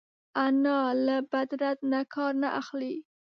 انا له بد رد نه کار نه اخلي